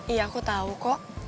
iya aku tau kok